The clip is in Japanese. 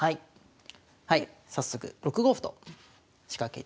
はい早速６五歩と仕掛けていきます。